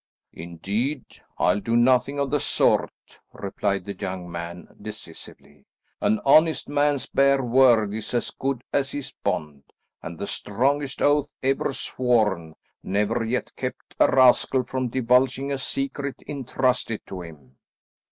"Indeed, I'll do nothing of the sort," replied the young man decisively. "An honest man's bare word is as good as his bond, and the strongest oath ever sworn never yet kept a rascal from divulging a secret intrusted to him."